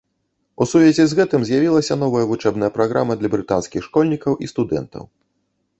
У сувязі з гэтым з'явілася новая вучэбная праграма для брытанскіх школьнікаў і студэнтаў.